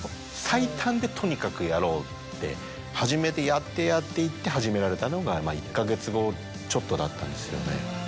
最短でとにかくやろうって始めてやってやっていって始められたのが１か月後ちょっとだったんですよね。